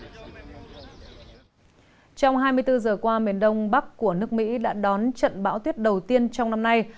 trong hai mươi bốn giờ qua miền đông bắc của nước mỹ đã đón trận bão tuyết đầu tiên trong năm nay